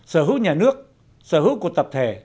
sở hữu nhà nước sở hữu của tập thể